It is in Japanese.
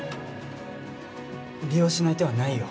利用しない手はないよ。